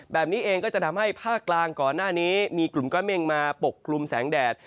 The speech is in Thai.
แบบนี้เองก็จะทำให้ภาคกลางก่อนหน้านี้มีกลุ่มก้อนเมฆมาปกคลุมแสงแดด